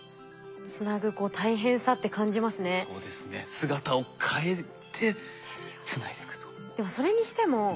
姿を変えてつないでいくと。